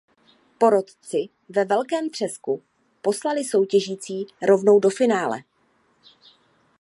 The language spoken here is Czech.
Porotci ve "Velkém třesku" poslali soutěžící rovnou do finále.